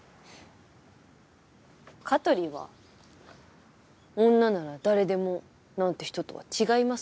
香取は「女なら誰でも」なんて人とは違いますから。